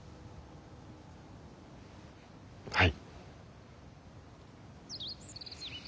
はい。